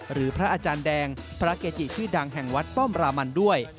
พระอาจารย์แดงพระเกจิชื่อดังแห่งวัดป้อมรามันด้วย